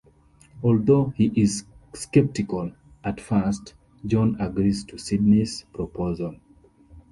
Although he is skeptical at first, John agrees to Sydney's proposal.